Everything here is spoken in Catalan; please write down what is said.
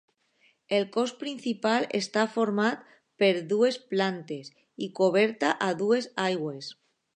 El cos principal està format per dues plantes i coberta a dues aigües.